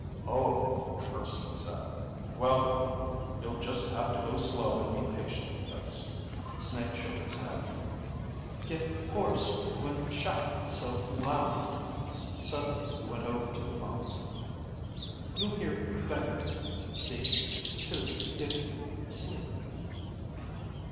"Oh," Urson said. "Well, then you'll just have to go slow and be patient with us." Snake shook his head. Get ... hoarse ... when ... shout ... so ... loud. Suddenly he went over to the bunks. _You ... hear ... better ... see ... too if ... sleep.